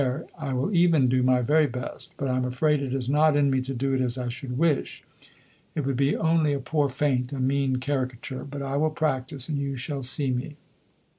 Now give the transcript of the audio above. I will even do my very best but I am afraid it is not in me to do it as I should wish. It would be only a poor feint a mean Caricature. But I will practise and you shall see me.